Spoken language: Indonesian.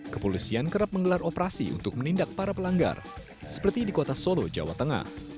kepolisian kerap menggelar operasi untuk menindak para pelanggar seperti di kota solo jawa tengah